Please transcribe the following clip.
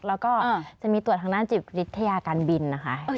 แล้วก็จะมีตรวจทางด้านจิตวิทยาการบินนะคะ